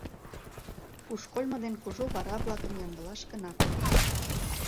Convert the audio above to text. Пушкольмо ден кужу вара-влакым ямдылаш гына кодо.